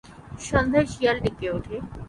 সন্ধ্যায় শিয়াল ডেকে ওঠে।